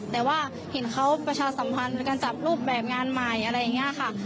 แต่ว่าเห็นเขาประชาสัมพันธ์เพื่อการจับรูปแบบงานใหม่